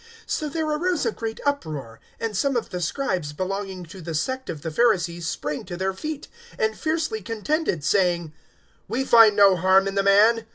023:009 So there arose a great uproar; and some of the Scribes belonging to the sect of the Pharisees sprang to their feet and fiercely contended, saying, "We find no harm in the man.